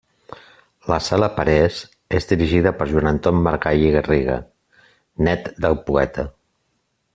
La Sala Parés és dirigida per Joan Anton Maragall i Garriga, nét del poeta.